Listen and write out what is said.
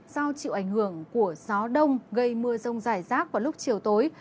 do chịu ảnh hưởng của gió đông gây mưa rông rải rác vào lúc chiều tối